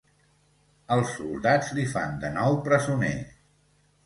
Els soldats li fan de nou presoner.